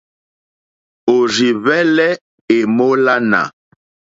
Òrzì hwɛ́lɛ́ èmólánà.